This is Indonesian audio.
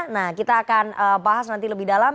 nah kita akan bahas nanti lebih dalam